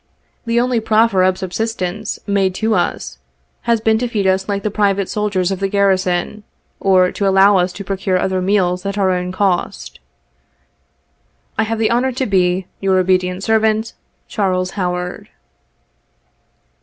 The only proffer of subsistence made to us, has been to feed us like the private soldiers of the garrison, or to allow us to procure other meals at our own cost. '' I have the honor to be " Your obedient servant, "CHARLES HOWARD."